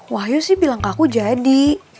wahyu sih bilang ke aku jadi